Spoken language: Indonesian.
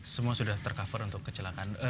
semua sudah tercover untuk kecelakaan